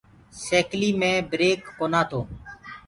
سيڪلي مي بِرڪ ڪونآ تو۔